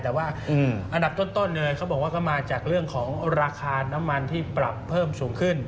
แต่ว่าอันดับต้นเลยเขาบอกว่าก็มาจากเรื่องของราคาน้ำมันที่ปรับเพิ่มสูงขึ้น